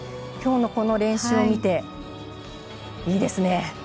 きょうのこの練習を見て、いいですね。